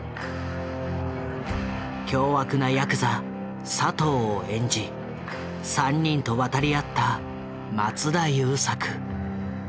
凶悪なやくざ佐藤を演じ３人と渡り合った松田優作。